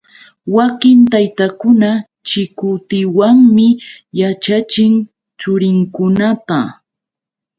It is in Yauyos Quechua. Wakin taytakuna chikutiwanmi yaćhachin churinkunata.